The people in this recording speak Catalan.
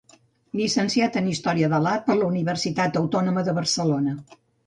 Llicenciat en Història de l'Art per la Universitat Autònoma de Barcelona.